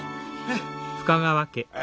ええ！？